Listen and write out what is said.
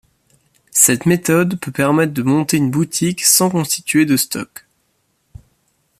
Cette méthode peut permettre de monter une boutique sans constituer de stocks.